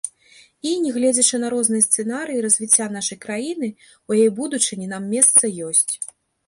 І, нягледзячы на розныя сцэнарыі развіцця нашай краіны, у яе будучыні нам месца ёсць.